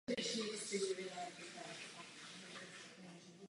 Vláda na to nebyla připravena.